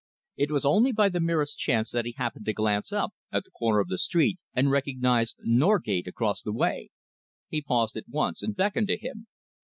It was only by the merest chance that he happened to glance up at the corner of the street and recognised Norgate across the way. He paused at once and beckoned to him.